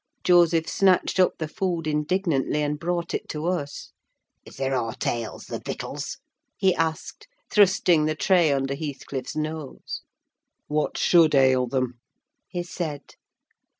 Joseph snatched up the food indignantly, and brought it to us. "Is there aught ails th' victuals?" he asked, thrusting the tray under Heathcliff's nose. "What should ail them?" he said.